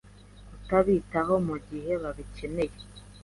kutabitaho mu gihe babikeneye,